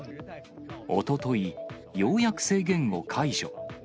おととい、ようやく制限を解除。